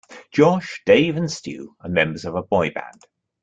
Josh, Dave and Stu are members of a boy band.